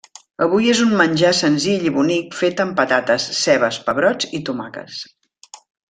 Avui és un menjar senzill i bonic fet amb patates, cebes, pebrots i tomàquets.